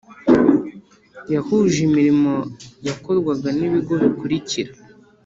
Yahuje imirimo yakorwaga n ibigo bikurikira